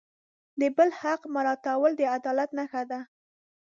د بل حق مراعتول د عدالت نښه ده.